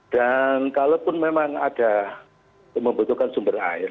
dan kalaupun memang ada membutuhkan sumber air